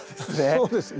そうですね。